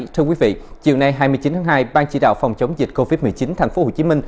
thưa quý vị chiều nay hai mươi chín tháng hai ban chỉ đạo phòng chống dịch covid một mươi chín tp hcm